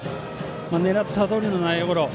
狙ったとおりの内野ゴロ。